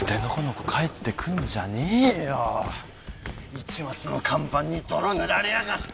市松の看板に泥塗られやがって！